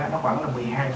nó khoảng là một mươi hai